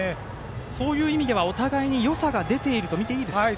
そういう意味ではお互いによさが出ているとみていいですか。